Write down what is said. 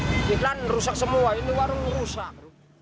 ini kan rusak semua ini warung rusak